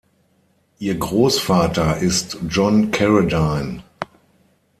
Ihr Großvater ist John Carradine.